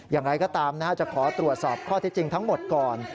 อย่างไรก็ตามจะขอตรวจสอบข้อที่จริงทั้งหมดก่อน